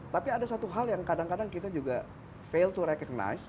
tapi ada satu hal yang kadang kadang kita juga fail to recognized